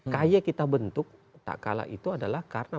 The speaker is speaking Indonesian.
kaye kita bentuk tak kalah itu adalah karena